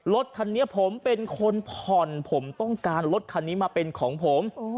รถคันนี้ผมเป็นคนผ่อนผมต้องการรถคันนี้มาเป็นของผม